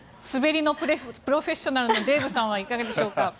スベリのプロフェッショナルのデーブさんはいかがでしょうか。